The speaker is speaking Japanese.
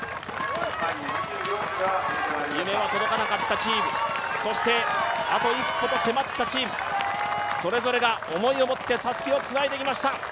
夢は届かなかったチーム、そしてあと一歩と迫ったチーム、それぞれが思いを持ってたすきをつないできました。